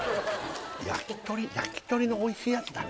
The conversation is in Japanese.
焼き鳥の美味しいやつだね